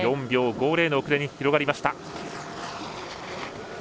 ４秒５０の遅れに広がりました。